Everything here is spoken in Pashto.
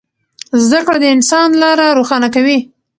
زده کړه د انسان لاره روښانه کوي.